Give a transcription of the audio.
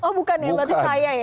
oh bukan ya berarti saya ya